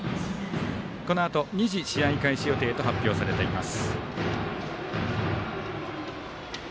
２時試合開始予定と発表されています。